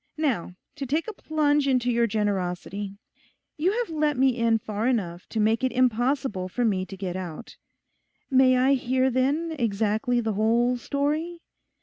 Now, to take a plunge into your generosity. You have let me in far enough to make it impossible for me to get out—may I hear then exactly the whole story?